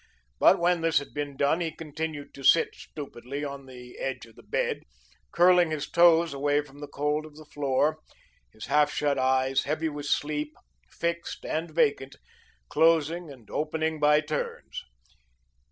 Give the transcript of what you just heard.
But when this had been done, he continued to sit stupidly on the edge of the bed, curling his toes away from the cold of the floor; his half shut eyes, heavy with sleep, fixed and vacant, closing and opening by turns.